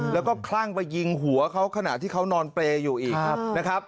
แล้วก็คลั่งไปยิงหัวเขาขณะที่เขานอนเปรย์อยู่อีกนะครับ